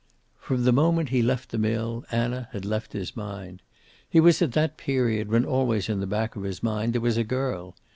From the moment he left the mill Anna had left his mind. He was at that period when always in the back of his mind there was a girl.